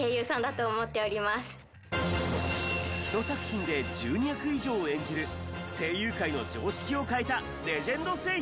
１作品で１２役以上を演じる声優界の常識を変えたレジェンド声優。